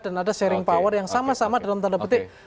dan ada sharing power yang sama sama dalam tanda petik